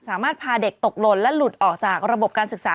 พาเด็กตกหล่นและหลุดออกจากระบบการศึกษา